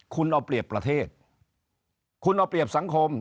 คุณเอาเปรียบประเทศคุณเอาเปรียบสังคม